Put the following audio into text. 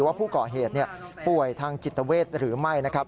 ว่าผู้เกาะเหตุป่วยทางจิตเวชหรือไม่